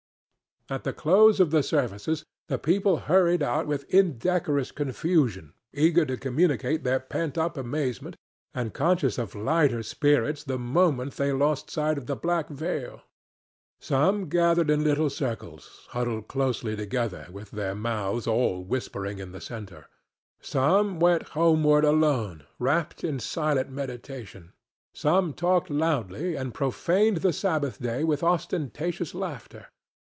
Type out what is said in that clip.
At the close of the services the people hurried out with indecorous confusion, eager to communicate their pent up amazement, and conscious of lighter spirits the moment they lost sight of the black veil. Some gathered in little circles, huddled closely together, with their mouths all whispering in the centre; some went homeward alone, wrapped in silent meditation; some talked loudly and profaned the Sabbath day with ostentatious laughter.